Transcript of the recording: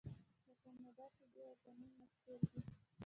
د کاناډا شیدې او پنیر مشهور دي.